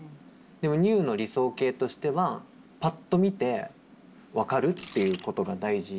でもＮｅｗの理想形としてはパッと見て分かるっていうことが大事。